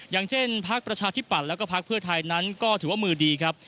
อย่างเช่นพักประชาธิปัตย์แล้วก็พักเพื่อไทยนั้นก็ถือว่ามือดีครับ